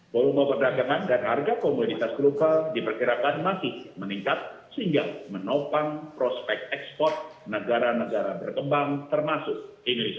volume perdagangan dan harga komoditas global diperkirakan masih meningkat sehingga menopang prospek ekspor negara negara berkembang termasuk indonesia